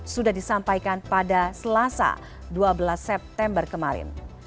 sudah disampaikan pada selasa dua belas september kemarin